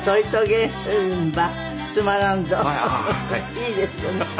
いいですよね。